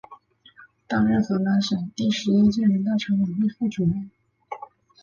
担任河南省第十一届人大常委会副主任。